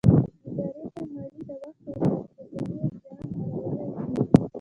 ادارې ته مالي، د وخت او سرچينو زیان اړولی شي.